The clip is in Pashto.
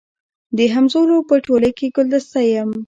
د همزولو په ټولۍ کي ګلدسته یم